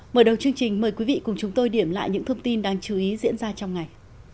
mở đầu chương trình mời quý vị cùng chúng tôi điểm lại những thông tin đáng chú ý diễn ra trong ngày